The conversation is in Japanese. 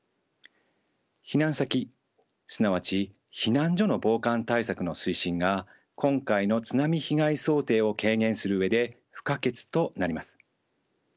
避難先すなわち避難所の防寒対策の推進が今回の津波被害想定を軽減する上で不可欠となります。